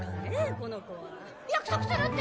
この子は。約束するって！